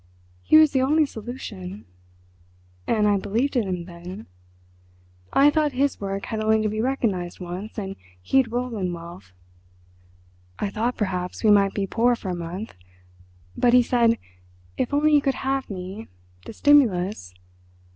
He was the only solution. And I believed in him then. I thought his work had only to be recognised once, and he'd roll in wealth. I thought perhaps we might be poor for a month—but he said, if only he could have me, the stimulus....